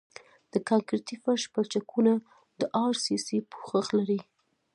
د کانکریټي فرش پلچکونه د ار سي سي پوښښ لري